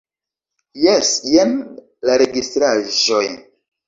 Jes, jen la registraĵoj.